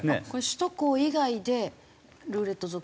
首都高以外でルーレット族。